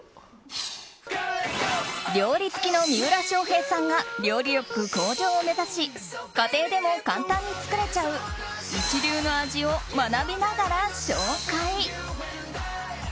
料理好きの三浦翔平さんが料理力向上を目指し家庭でも簡単に作れちゃう一流の味を学びながら紹介。